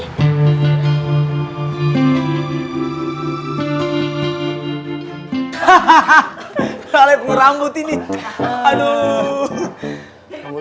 hahaha kalian penge rambut ini aduh